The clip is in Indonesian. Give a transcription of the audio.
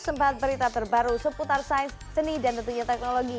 sempat berita terbaru seputar size seni dan tentunya teknologi